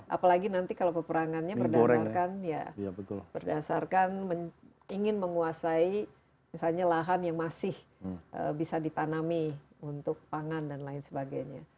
apalagi nanti kalau peperangannya berdasarkan ya berdasarkan ingin menguasai misalnya lahan yang masih bisa ditanami untuk pangan dan lain sebagainya